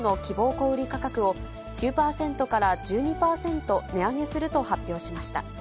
小売り価格を、９％から１２％値上げすると発表しました。